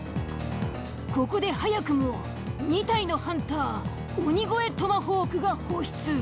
ここで早くも２体のハンター鬼越トマホークが放出。